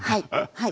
はい。